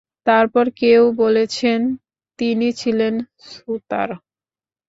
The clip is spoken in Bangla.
তারপর কেউ বলেছেন, তিনি ছিলেন ছুঁতার।